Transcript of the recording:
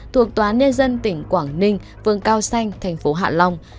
thuộc tòa nê dân tỉnh quảng ninh phường cao xanh thành phố hạ long